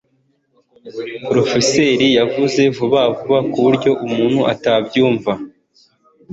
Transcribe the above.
Porofeseri yavuze vuba vuba kuburyo umuntu atabyumva.